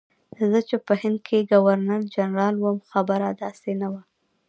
زه چې په هند کې ګورنرجنرال وم خبره داسې نه وه.